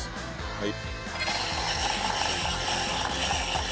はい。